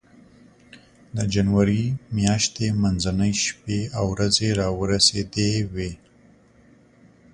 د جنوري میاشتې منځنۍ شپې او ورځې را ورسېدې وې.